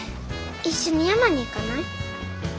一緒に山に行かない？